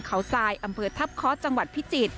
เขาทรายอำเภอทัพเคาะจังหวัดพิจิตร